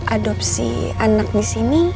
adopsi anak disini